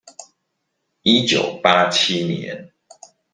一九八七年